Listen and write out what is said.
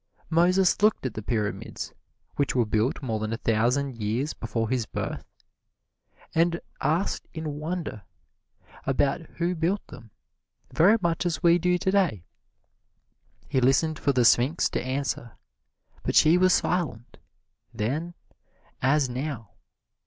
Moses looked at the Pyramids, which were built more than a thousand years before his birth, and asked in wonder about who built them, very much as we do today. He listened for the Sphinx to answer, but she was silent, then as now.